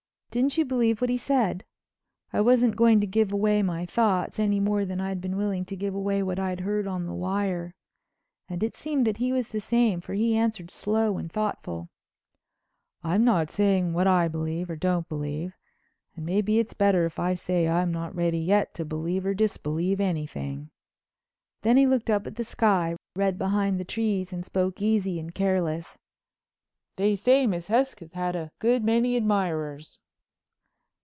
"Didn't you believe what he said?" I wasn't going to give away my thoughts any more than I'd been willing to give away what I heard on the wire. And it seemed that he was the same, for he answered slow and thoughtful: "I'm not saying what I believe or don't believe, or maybe it's better if I say I'm not ready yet to believe or disbelieve anything,"—then he looked up at the sky, red behind the trees, and spoke easy and careless: "They say Miss Hesketh had a good many admirers."